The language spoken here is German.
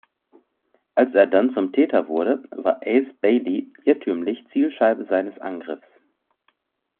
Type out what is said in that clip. Als er dann zum Täter wurde, war Ace Bailey irrtümlich Zielscheibe seines Angriffs.